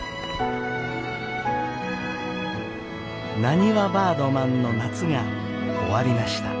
なにわバードマンの夏が終わりました。